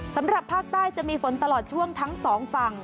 สำหรับภาคใต้จะมีฝนตลอดช่วงทั้งสองฝั่ง